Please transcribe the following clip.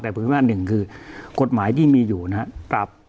แต่เพียงแม้๑คือ